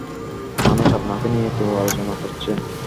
মানুষ আপনাকে নিয়ে এতো আলোচনা করছে।